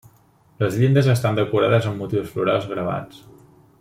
Les llindes estan decorades amb motius florals gravats.